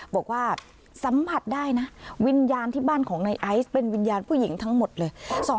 บอกว่าสัมผัสได้นะวิญญาณที่บ้านของในไอซ์เป็นวิญญาณผู้หญิงทั้งหมดเลย